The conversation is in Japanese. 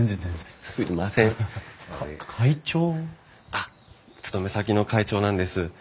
あっ勤め先の会長なんです。